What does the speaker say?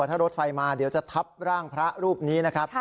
ถ้ารถไฟมาเดี๋ยวจะทับร่างพระรูปนี้นะครับ